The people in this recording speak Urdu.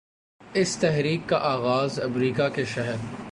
اس تحریک کا آغاز امریکہ کہ شہر